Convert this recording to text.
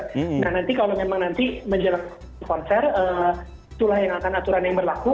nah nanti kalau memang nanti menjelang konser itulah yang akan aturan yang berlaku